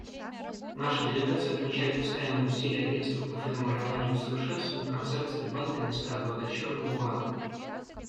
Наша делегация отмечает постоянные усилия Агентства по формированию и совершенствованию концепции банка низкообогащенного урана.